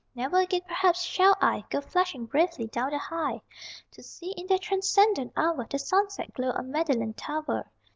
Never again, perhaps, shall I Go flashing bravely down the High To see, in that transcendent hour, The sunset glow on Magdalen Tower.